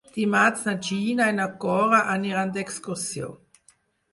Dimarts na Gina i na Cora aniran d'excursió.